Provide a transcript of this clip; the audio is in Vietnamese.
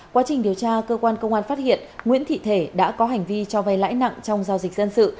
quá trình điều tra cơ quan công an phát hiện nguyễn thị thể đã có hành vi cho vay lãi nặng trong giao dịch dân sự